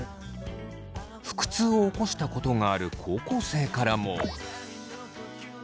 腹痛を起こしたことがある高校生からも。